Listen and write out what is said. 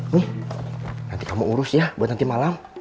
nih nanti kamu urus ya buat nanti malam